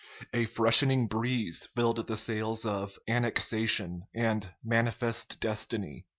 A freshening breeze filled the sails of "annexation" and "manifest destiny."